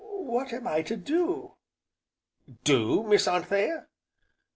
what am I to do?" "Do, Miss Anthea?"